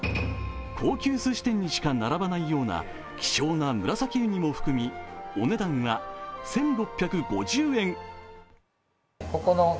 高級すし店にしか並ばないような希少な紫うにも含みお値段は１６５０円。